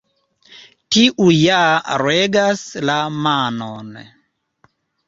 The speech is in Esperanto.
Tiu ja regas la manon.